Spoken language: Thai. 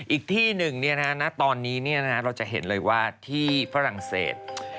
อีกที่หนึ่งณตอนนี้เราจะเห็นเลยว่าที่ฝรั่งเศส